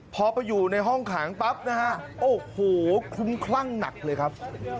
พอไปอยู่ในห้องขังปั๊บนะฮะโอ้โหคลุ้มคลั่งหนักเลยครับ